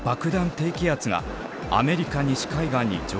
低気圧がアメリカ西海岸に上陸。